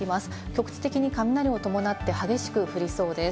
局地的に雷を伴って激しく降りそうです。